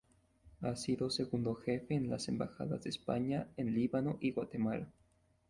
Ha sido segundo jefe en las embajadas de España en Líbano y Guatemala.